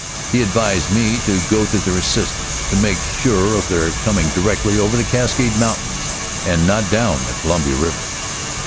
He advised me to go to their assistance, to make sure of their coming directly over the Cascade Mountains, and not down the Columbia River.